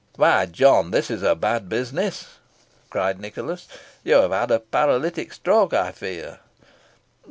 "Why, John, this is a bad business," cried Nicholas. "You have had a paralytic stroke, I fear."